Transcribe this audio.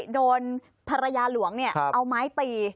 โดนภรรยาหลวงเอาไม้ตี